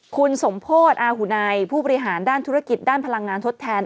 คุณสมโพธิอาหุนัยผู้บริหารด้านธุรกิจด้านพลังงานทดแทน